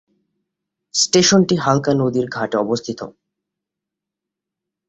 স্টেশনটি হালদা নদীর ঘাটে অবস্থিত।